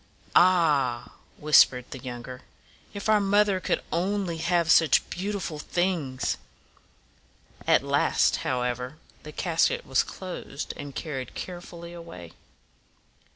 "Ah!" whis pered the younger; "if our mother could only have such beautiful things!" At last, how ever, the casket was closed and carried care ful ly away.